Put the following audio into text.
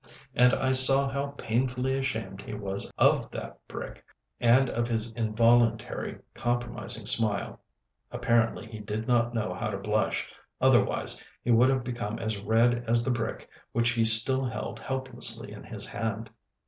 And I saw how painfully ashamed he was of that brick, and of his involuntary, compromising smile. Apparently he did not know how to blush, otherwise he would have become as red as the brick which he still held helplessly in his hand.